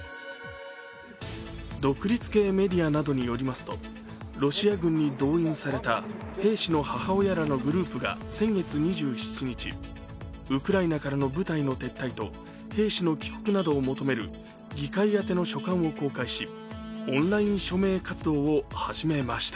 独立系メディアなどによりますとロシア軍に動員された兵士の母親らのグループが先月２７日、ウクライナからの部隊の撤退と兵士の帰国などを求める議会宛の書簡を公開しオンライン署名活動を始めました。